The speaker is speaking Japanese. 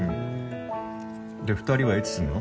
で２人はいつすんの？